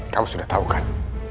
kamu sudah tahu kan